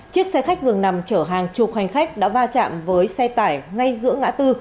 chiếc xe khách dường nằm chở hàng chục hành khách đã va chạm với xe tải ngay giữa ngã tư